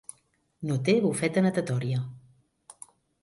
No té bufeta natatòria.